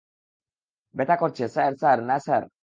ব্যথা করছে, sir, sir, না, স্যার।